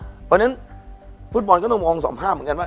เพราะฉะนั้นฟุตบอลก็ต้องมองสองภาพเหมือนกันว่า